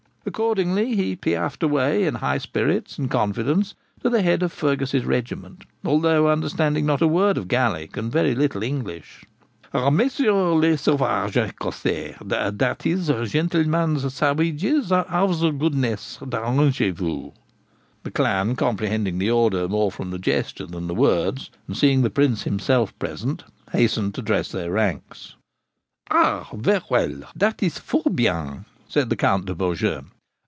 Accordingly he piaffed away, in high spirits and confidence, to the head of Fergus's regiment, although understanding not a word of Gaelic and very little English. 'Messieurs les sauvages Ecossois dat is, gentilmans savages, have the goodness d'arranger vous.' The clan, comprehending the order more from the gesture than the words, and seeing the Prince himself present, hastened to dress their ranks. 'Ah! ver well! dat is fort bien!' said the Count de Beaujeu.